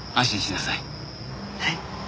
はい。